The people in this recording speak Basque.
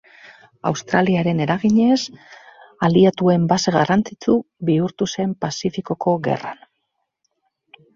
Australiaren eraginez, aliatuen base garrantzitsu bihurtu zen Pazifikoko Gerran.